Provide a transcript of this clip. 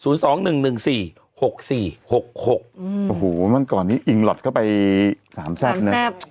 อืมโอ้โหมันก่อนนี้อิงล็อตเข้าไป๓แทรฟเนี่ย